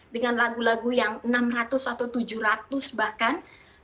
dengan lagu lagu yang enam ratus atau tujuh ratus bahkan